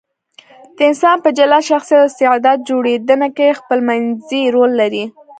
د انسان په جلا شخصیت او استعداد جوړېدنه کې خپلمنځي رول لري.